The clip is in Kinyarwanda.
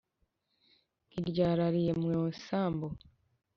Nk’iryarariye mu isambu